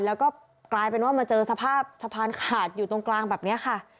และก็มีสะพานขาดอยู่ตรงกลางตอนนี้ค่ะ